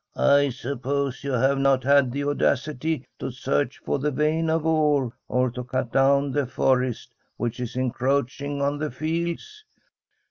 ' I suppose you have not had the audacity to search for the vein of ore, or to cut down the forest which is encroaching on the fields?'